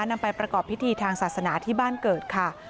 นำไปประกอบพิธีทางศาสนาที่บ้านเกิดค่ะ